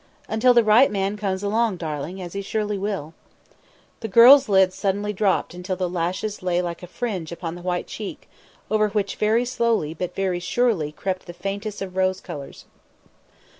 "Until the right man comes along, darling, as he surely will." The girl's lids suddenly dropped until the lashes lay like a fringe upon the white cheek over which very slowly but very surely crept the faintest of rose colours.